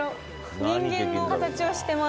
人間の形をしてます。